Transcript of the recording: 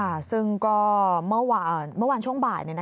ค่ะซึ่งก็เมื่อวานช่วงบ่าย